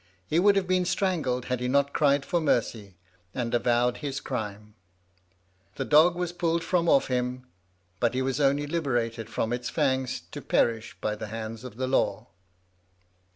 He would have been strangled had he not cried for mercy, and avowed his crime. The dog was pulled from off him; but he was only liberated from its fangs to perish by the hands of the law.